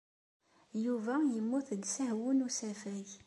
Yuba yemmut deg usehwu n usafag.